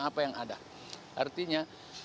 apa yang ada artinya